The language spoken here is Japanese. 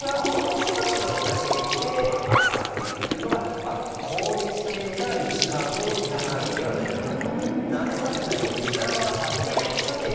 ちょっと違った刺激で扱っていくというのが効率という意味では一番高いんではないかと。